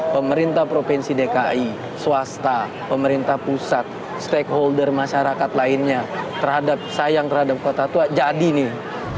pemerintah provinsi dki swasta pemerintah pusat stakeholder masyarakat lainnya terhadap sayang terhadap kota tua jadi nih